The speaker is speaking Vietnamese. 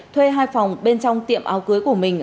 thuê hai phòng bên trong tiệm áo cưới của mình